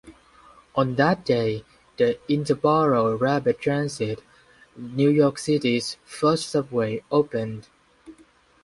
On that day, the Interborough Rapid Transit, New York City's first subway, opened.